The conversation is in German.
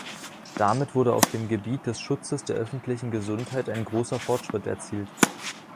Damit wurde auf dem Gebiet des Schutzes der öffentlichen Gesundheit ein großer Fortschritt erzielt.